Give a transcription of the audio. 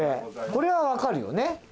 これはわかるよね。